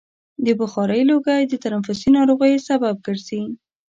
د بخارۍ لوګی د تنفسي ناروغیو سبب ګرځي.